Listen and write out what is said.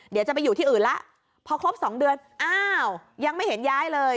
เดี๋ยวจะไปอยู่ที่อื่นแล้วพอครบสองเดือนอ้าวยังไม่เห็นย้ายเลย